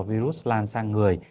virus lan sang người